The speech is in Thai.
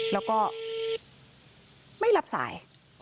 แล้วก็ไม่รับสาย